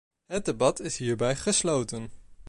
Het debat is hierbij gesloten.